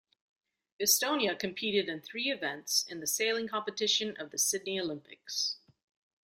Estonia competed in three events in the Sailing competition of the Sydney Olympics.